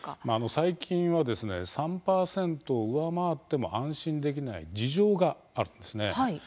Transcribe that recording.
最近はですね３％を上回っても安心できない事情があるんですね。